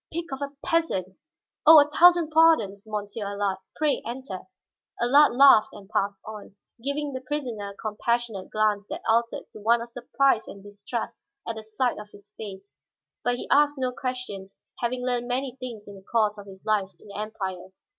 "Pig of a peasant! Oh, a thousand pardons, Monsieur Allard; pray enter." Allard laughed and passed on, giving the prisoner a compassionate glance that altered to one of surprise and distrust at sight of his face. But he asked no questions, having learned many things in the course of his life in the Empire.